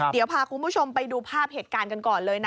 เดี๋ยวพาคุณผู้ชมไปดูภาพเหตุการณ์กันก่อนเลย